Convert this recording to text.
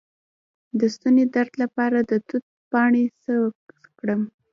د ستوني درد لپاره د توت پاڼې څه کړم؟